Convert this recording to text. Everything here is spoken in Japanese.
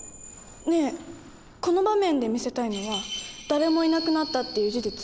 ねえこの場面で見せたいのは誰もいなくなったっていう事実？